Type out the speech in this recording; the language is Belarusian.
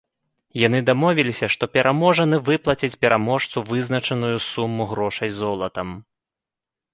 Яны дамовіліся, што пераможаны выплаціць пераможцу вызначаную суму грошай золатам.